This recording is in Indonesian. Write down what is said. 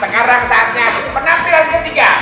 sekarang saatnya penampilan ketiga